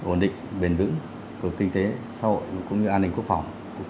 ổn định bền vững của kinh tế xã hội cũng như an ninh quốc phòng của cả nước trong năm hai nghìn hai mươi